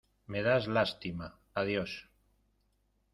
Me das lástima. Adiós .